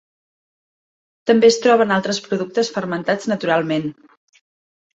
També es troba en altres productes fermentats naturalment.